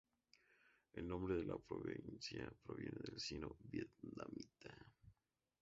El nombre de la provincia proviene del Sino-vietnamita 太原.